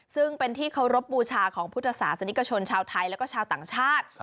ซึ่งเป็นที่เคารพบูชาของพุทธศาสนิกชนชาวไทยแล้วก็ชาวต่างชาติ